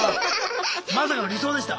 まさかの理想でした。